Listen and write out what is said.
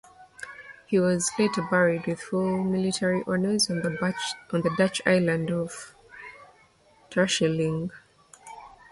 He was later buried with full military honours on the Dutch island of Terschelling.